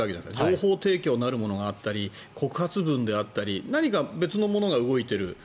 情報提供なるものがあったり告発文であったり何か、別のものが動いている。